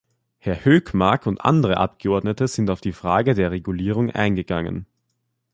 Herr Hökmark und andere Abgeordnete sind auf die Frage der Regulierung eingegangen.